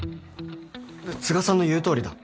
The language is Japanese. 都賀さんの言うとおりだ。